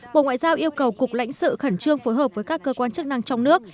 bộ ngoại giao yêu cầu cục lãnh sự khẩn trương phối hợp với các cơ quan chức năng trong nước